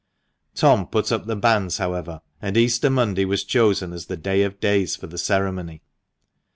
Tom put up the banns, however, and Easter Monday was chosen as the day of days for the ceremony.